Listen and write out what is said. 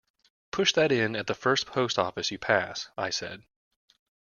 "Push that in at the first post office you pass," I said.